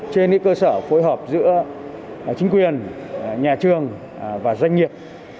trên cơ sở phối hợp giữa chính quyền nhà trường và doanh nghiệp